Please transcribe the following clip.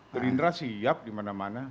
gerindra siap dimana mana